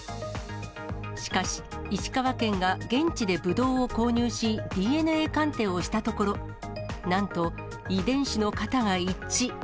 しかし、石川県が現地でぶどうを購入し、ＤＮＡ鑑定をしたところ、なんと遺伝子の型が一致。